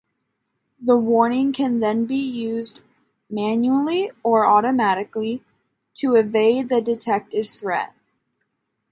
The warning can then be used, manually or automatically, to evade the detected threat.